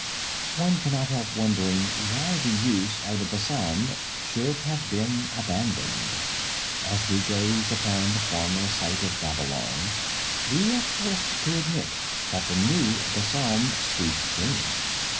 One cannot help wondering why the use of the besom should have been abandoned. As we gaze upon the former site of Babylon we are forced to admit that the new besom sweeps clean.